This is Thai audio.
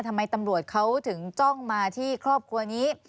ทำไมตำรวจเขาถึงจ้องมาที่ครอบครัวนี้